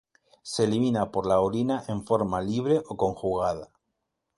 Se elimina por la orina en forma libre o conjugada.